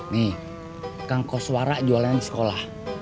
nih kang koswara jualannya di sekolah